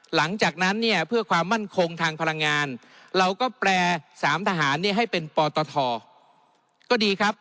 หลังจากนั้นเนี่ยเพื่อความมั่นคงทางพลังงานเราก็แปล๓ทหารให้เป็นปตทก็ดีครับ